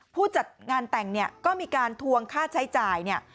ผู้จัดงานแต่งเนี่ยก็มีการทวงค่าใช้จ่ายเนี่ย